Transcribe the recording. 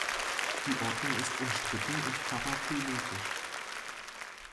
Die Ordnung ist umstritten und paraphyletisch.